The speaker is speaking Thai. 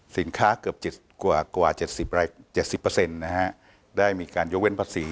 สินค้าเกือบ๗๐ได้มีการยกเว้นภาษี